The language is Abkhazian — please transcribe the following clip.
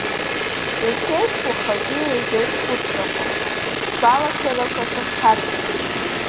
Иахеиԥш уахагьы еизеит схәыцрақәа, сгәалашәарақәа сыхҭаркит.